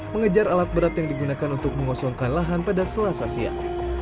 mengejar alat berat yang digunakan untuk mengosongkan lahan pada selasa siang